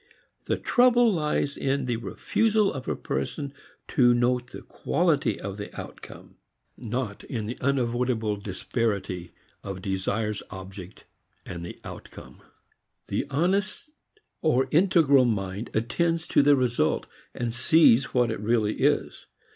The trouble lies in the refusal of a person to note the quality of the outcome, not in the unavoidable disparity of desire's object and the outcome. The honest or integral mind attends to the result, and sees what it really is.